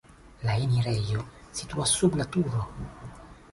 La enirejo situas sub la turo.